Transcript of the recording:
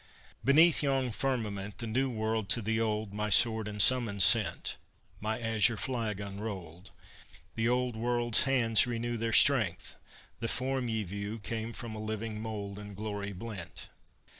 "Beneath yon firmament. The New World to the Old My sword and summons sent, My azure flag unrolled: The Old World's hands renew Their strength; the form ye view Came from a living mould In glory blent.